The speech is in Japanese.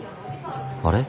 あれ？